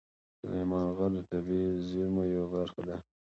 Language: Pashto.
سلیمان غر د طبیعي زیرمو یوه برخه ده.